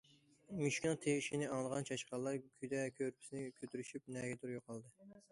مۈشۈكنىڭ تىۋىشىنى ئاڭلىغان چاشقانلار كۈدە- كۆرپىسىنى كۆتۈرۈشۈپ نەگىدۇر يوقالدى.